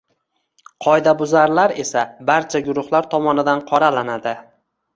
Qoidabuzarlar esa barcha guruhlar tomonidan qoralanadi.